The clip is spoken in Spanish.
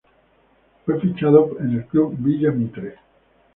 Fue fichado en el Club Villa Mitre.